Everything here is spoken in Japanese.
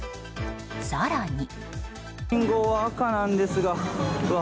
更に。